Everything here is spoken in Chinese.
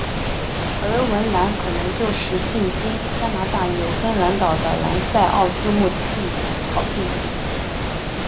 而文兰可能就是现今加拿大纽芬兰岛的兰塞奥兹牧草地。